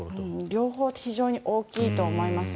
両方非常に大きいと思います。